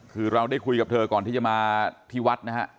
คือเราได้คุยกับเธอก่อนที่จะมาที่วัดนะฮะ